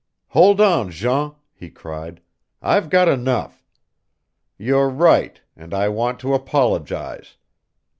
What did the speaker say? "Hold on, Jean," he cried. "I've got enough. You're right, and I want to apologize.